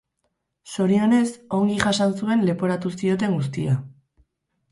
Zorionez, ongi jasan zuen leporatu zioten guztia.